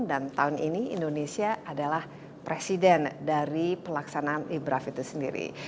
tahun ini indonesia adalah presiden dari pelaksanaan ibraf itu sendiri